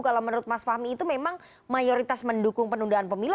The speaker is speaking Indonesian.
kalau menurut mas fahmi itu memang mayoritas mendukung penundaan pemilu